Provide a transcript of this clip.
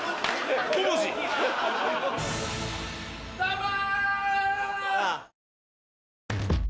どうも！